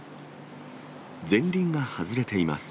前輪が外れています。